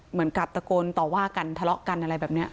เหมือนกับตะโกนต่อว่ากันทะเลาะกันอะไรแบบนี้